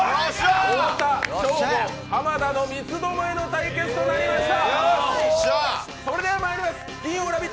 太田、ショーゴ、濱田の三つどもえの対決となりました。